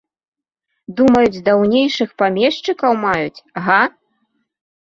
Думаюць, даўнейшых памешчыкаў маюць, га?